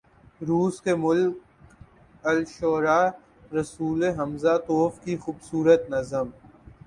روس کے ملک الشعراء “رسول ھمزہ توف“ کی خوبصورت نظم